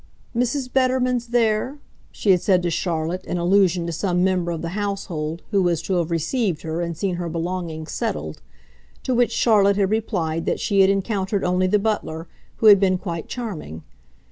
"Mrs. Betterman's there?" she had said to Charlotte in allusion to some member of the household who was to have received her and seen her belongings settled; to which Charlotte had replied that she had encountered only the butler, who had been quite charming.